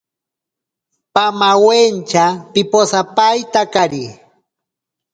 Pamawentya piposapaintakari.